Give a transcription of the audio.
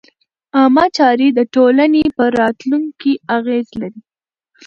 عامه چارې د ټولنې پر راتلونکي اغېز لري.